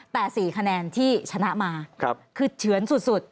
แต่๔คะแนนที่ชนะมาคือเฉือนสุด